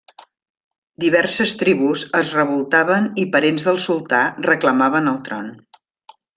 Diverses tribus es revoltaven i parents del sultà reclamaven el tron.